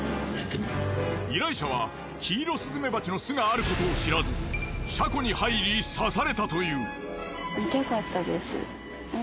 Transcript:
依頼者はキイロスズメバチの巣があることを知らず車庫に入り刺されたという。